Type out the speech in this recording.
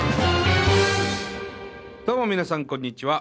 どうも皆さんこんにちは。